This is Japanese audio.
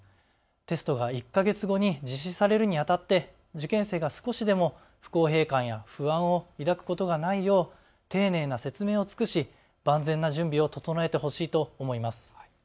テストが１か月後に実施されるにあたって受験生が少しでも不公平感や不安を抱くことがないよう丁寧な説明を尽くし、万全な準備を整えてほしいと思います。